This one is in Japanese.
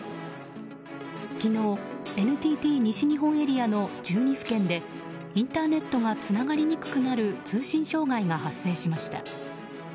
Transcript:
昨日、ＮＴＴ西日本エリアの１２府県でインターネットがつながりにくくなる通信障害が発生しました。